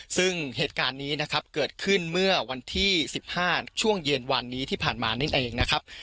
ซึ่งเหตุการณ์นี้นะครับเกิดขึ้นเมื่อวันที่๑๕ช่วงเย็นวันนี้ที่ผ่านมานั่นเองนะครับ